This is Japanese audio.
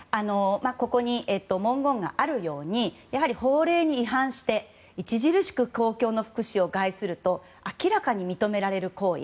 ここに文言があるように法令に違反して著しく公共の福祉を害すると明らかに認められる行為。